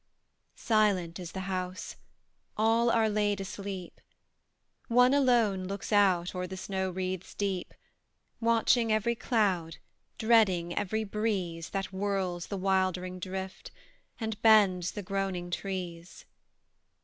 Silent is the house: all are laid asleep: One alone looks out o'er the snow wreaths deep, Watching every cloud, dreading every breeze That whirls the wildering drift, and bends the groaning trees.